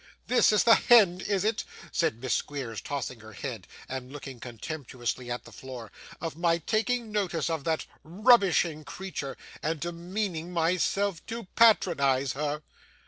'This is the hend, is it,' said Miss Squeers, tossing her head, and looking contemptuously at the floor, 'of my taking notice of that rubbishing creature, and demeaning myself to patronise her?